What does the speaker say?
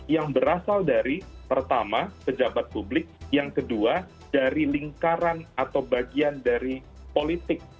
yang berasal dari pertama pejabat publik yang kedua dari lingkaran atau bagian dari politik